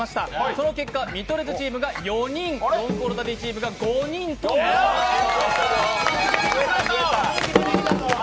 その結果見取り図チームが４人ロングコートダディチームが５人となりました。